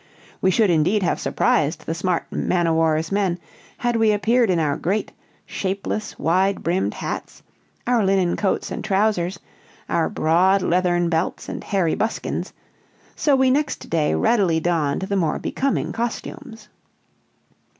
We should indeed have surprised the smart man o' war's men, had we appeared in our great, shapeless, wide brimmed hats, our linen coats and trousers, our broad leathern belts and hairy buskins; so we next day readily donned the more becoming costumes.